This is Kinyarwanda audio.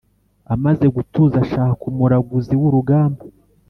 amaze gutuza ashaka umuraguzi wurugamba